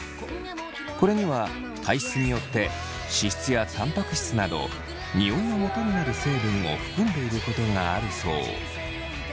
これには体質によって脂質やタンパク質などニオイのもとになる成分を含んでいることがあるそう。